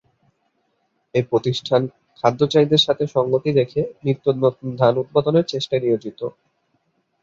এই প্রতিষ্ঠান খাদ্য চাহিদার সাথে সঙ্গতি রেখে নিত্য নতুন ধান উদ্ভাবনের চেষ্টায় নিয়োজিত।